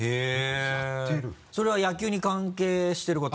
それは野球に関係してること？